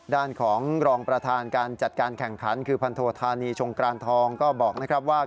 ด้านของรองประธานการจัดการแข่งขันคือพันโทธานีชงกรานทองก็บอกนะครับว่า